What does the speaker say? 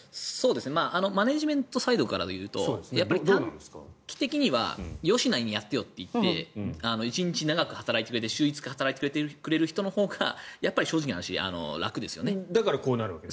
マネジメントサイドから言うと短期的にはよしなにやってよと言って１日長く働いてる１日働いてくれる人のほうが正直な話だからこうなると。